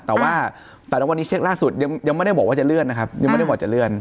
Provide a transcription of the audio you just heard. แต่ว่าแต่ละวันนี้เช็คล่าสุดยังไม่ได้บอกว่าจะเลื่อนนะครับยังไม่ได้บอกจะเลื่อน